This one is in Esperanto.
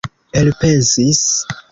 elpensis